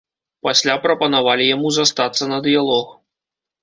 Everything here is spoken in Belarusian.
Пасля прапанавалі яму застацца на дыялог.